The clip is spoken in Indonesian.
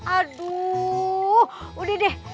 aduh udah deh